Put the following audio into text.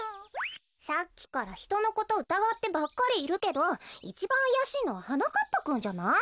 さっきからひとのことうたがってばっかりいるけどいちばんあやしいのははなかっぱくんじゃない？